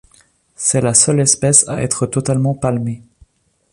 C’est la seule espèce à être totalement palmée.